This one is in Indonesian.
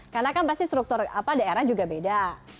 karena kan pasti struktur daerah juga beda